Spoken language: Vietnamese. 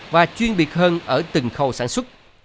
và chuyên biệt hơn ở từng khâu sản xuất